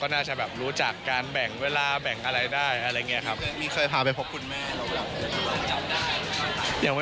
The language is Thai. น่าจะแบบรู้จักการแบ่งเวลาแบ่งอะไรได้อะไรอย่างนี้ครับ